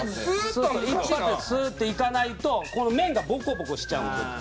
一発でスーッていかないとこの面がボコボコしちゃうんですよ。